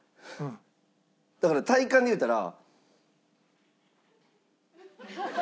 だから体感で言うたら。